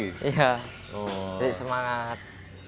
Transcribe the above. iya jadi semangat